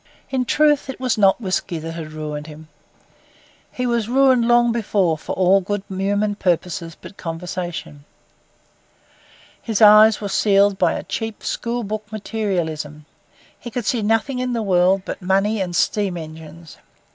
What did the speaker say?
In truth it was not whisky that had ruined him; he was ruined long before for all good human purposes but conversation. His eyes were sealed by a cheap, school book materialism. He could see nothing in the world but money and steam engines.